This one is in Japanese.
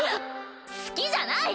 好きじゃない！